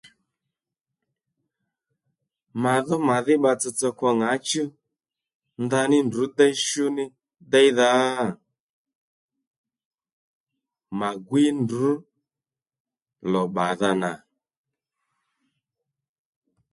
Màdho màdhí bba tsotso kwo ŋǎchú ndaní ndrǔ déy shú ní déydha mà gwíy ndrǔ lò bbadha nà